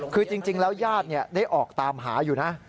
คือจริงแล้วญาติได้ออกตามหาอยู่นะ